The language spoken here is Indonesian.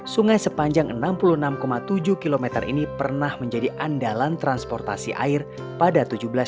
sungai sepanjang enam puluh enam tujuh km ini pernah menjadi andalan transportasi air pada seribu tujuh ratus enam puluh